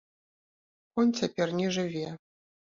Конь цяпер не жыве.